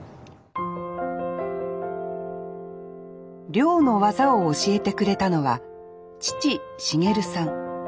漁の技を教えてくれたのは父繁さん。